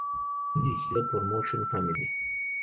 Fue dirigido por Motion Family.